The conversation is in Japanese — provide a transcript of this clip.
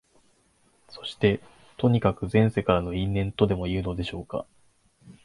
そして、とにかく前世からの因縁とでもいうのでしょうか、